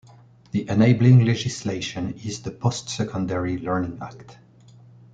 The enabling legislation is the "Post-secondary Learning Act".